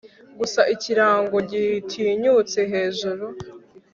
Gusa ikirango gitinyutse hejuru